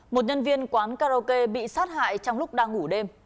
một nhân viên quán karaoke bị sát hại trong lúc đang ngủ đêm